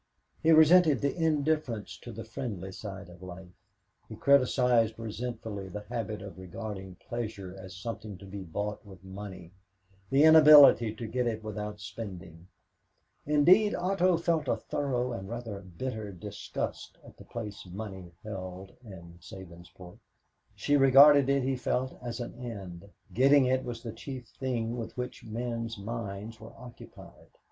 He resented the indifference to the friendly side of life. He criticized resentfully the habit of regarding pleasure as something to be bought with money the inability to get it without spending. Indeed, Otto felt a thorough and rather bitter disgust at the place money held in Sabinsport. She regarded it, he felt, as an end. Getting it was the chief thing with which men's minds were occupied.